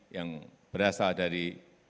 yang berasal dari